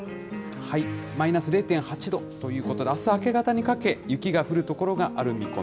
マイナス０．８度ということで、あす明け方にかけ、雪が降る所がある見込み。